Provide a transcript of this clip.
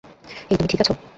এই, তুমি ঠিক আছ?